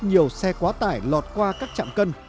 nhiều xe quá tải lọt qua các trạm cân